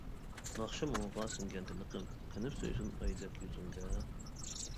ناخشا مۇڭىغا سىڭگەن تىنىقىم، قېنىپ سۆيسۇن ئايدەك يۈزۈڭگە.